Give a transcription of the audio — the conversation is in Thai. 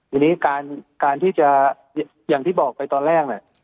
ทีนี้การที่จะอย่างที่บอกไปตอนแรกน่ะ